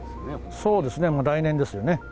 そうですね、来年ですよね。